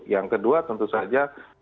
yang kedua tentu saja